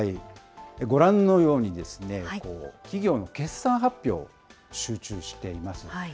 ご覧のように、企業の決算発表、集中しています。